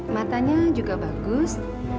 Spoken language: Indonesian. matanya juga bagus